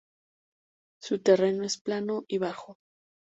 Su terreno es plano y bajo.